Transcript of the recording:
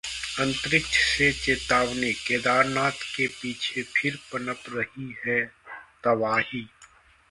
अंतरिक्ष से चेतावनी: केदारनाथ के पीछे फिर पनप रही है तबाही